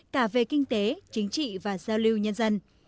cả về kinh tế chính trị và giao lưu nhân dân